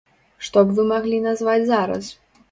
Што б вы маглі назваць зараз?